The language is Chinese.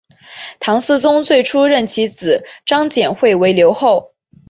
唐懿宗最初任其子张简会为留后。